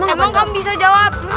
emang kamu bisa jawab